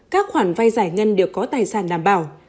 các khoản vay giải ngân đều có tài sản đảm bảo